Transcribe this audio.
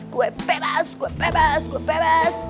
gue bebas gue bebas gue bebas